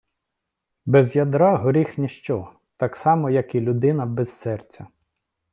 Без ядра горіх ніщо, так само як і людина без серця.